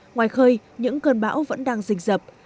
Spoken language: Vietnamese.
ngoài khơi những cơn bão vẫn đang dịch dập